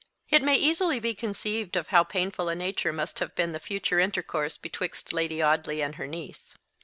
It may easily be conceived of how painful a nature must have been the future intercourse betwixt Lady Audley and her niece.